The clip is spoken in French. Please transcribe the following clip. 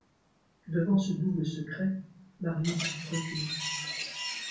Devant ce double secret, Marius reculait.